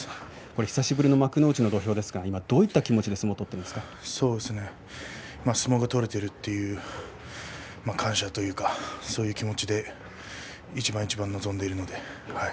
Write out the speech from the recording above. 久しぶりの幕内の土俵ですが今どういう気持ちで相撲を取れている感謝というかそういう気持ちで一番一番臨んでいるので。